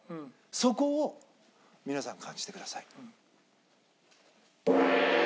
そこを皆さん感じてください。